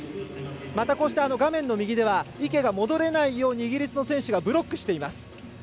またこうして画面の右では、池が戻れないようにイギリスの選手がブロックしています。